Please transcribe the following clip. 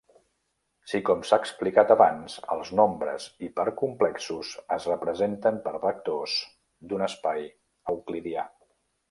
Si com s'ha explicat abans els nombres hipercomplexos es representen per vectors d'un espai euclidià.